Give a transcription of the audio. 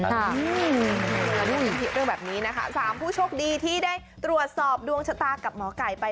แล้วมีเรื่องแบบนี้นะคะ๓ผู้โชคดีที่ได้ตรวจสอบดวงชะตากับหมอไก่ไป